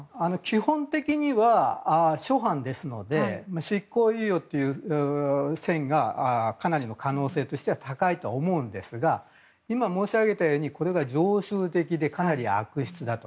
基本的には初犯ですので執行猶予という可能性がかなりの可能性としては高いと思うんですが今、申し上げたようにこれが常習的でかなり悪質だと。